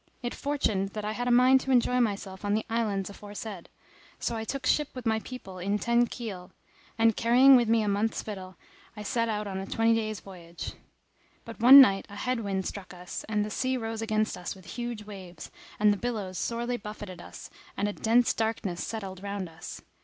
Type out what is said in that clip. It fortuned that I had a mind to enjoy myself on the islands aforesaid, so I took ship with my people in ten keel; and, carrying with me a month's victual, I set out on a twenty days' voyage. But one night a head wind struck us, and the sea rose against us with huge waves; the billows sorely buffetted us and a dense darkness settled round us.